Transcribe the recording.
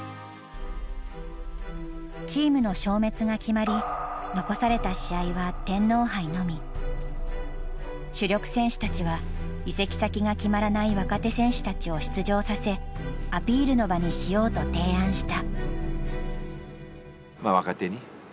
チームの消滅が決まり主力選手たちは移籍先が決まらない若手選手たちを出場させアピールの場にしようと提案した。